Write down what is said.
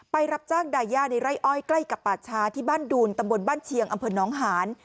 รับจ้างดายาในไร่อ้อยใกล้กับป่าชาที่บ้านดูนตำบลบ้านเชียงอำเภอน้องหาน